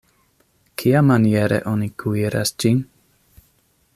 Kiamaniere oni kuiras ĝin?